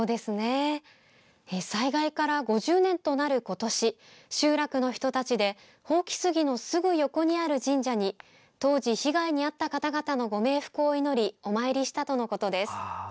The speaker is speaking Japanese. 災害から５０年となる今年集落の人たちで箒杉のすぐ横にある神社に当時、被害に遭った方々のご冥福を祈りお参りしたとのことです。